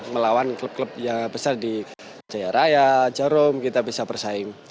melawan klub klub yang besar di jaya raya jarum kita bisa bersaing